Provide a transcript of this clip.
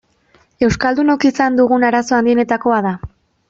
Euskaldunok izan dugun arazo handienetakoa da.